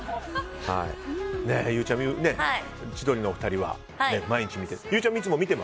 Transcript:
ゆうちゃみ、千鳥のお二人は毎日見てるって。